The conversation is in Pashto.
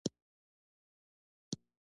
دا فلسفه د روحاني بدلون نښه ګڼل کیده.